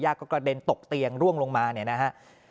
กระเด็นตกเตียงร่วงลงมาเนี่ยนะฮะ